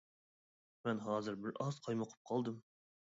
مەن ھازىر بىر ئاز قايمۇقۇپ قالدىم.